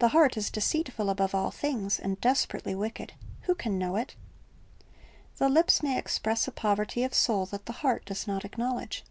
"The heart is deceitful above all things, and desperately wicked; who can know it?"' The lips may express a poverty of soul that the heart does not acknowledge.